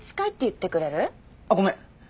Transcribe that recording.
あっごめん。